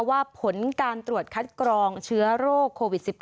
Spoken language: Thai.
ว่าผลการตรวจคัดกรองเชื้อโรคโควิด๑๙